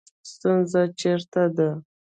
ستونزه چېرته ده